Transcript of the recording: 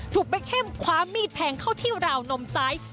แบ็คเฮมคว้ามีดแทงเข้าที่ราวนมซ้าย